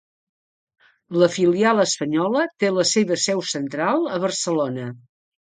La filial espanyola té la seva seu central a Barcelona.